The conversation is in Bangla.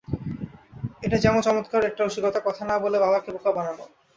এটা যেন চমৎকার একটা রসিকতা, কথা না-বলে বাবাকে বোকা বানানো।